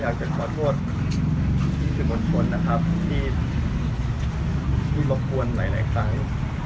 ขอโทษที่คือคนคนนะครับที่บอกวนหลายครั้ง